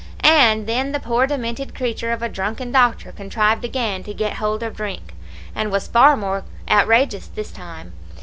And then the poor demented creature of a drunken doctor contrived again to get hold of drink, and was far more outrageous this time.